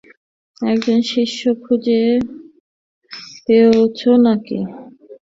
একজন শিষ্য খুঁজে পেয়েছো না কি?